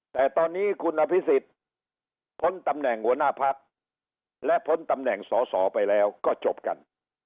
แต่ตอนนี้คุณอภิษฎพ้นตำแหน่งหัวหน้าพักและพ้นตำแหน่งสอสอไปแล้วก็จบกัน